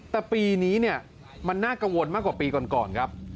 แต่ปีนี้เนี่ยมันน่ากังวลมากกว่าปีก่อนครับ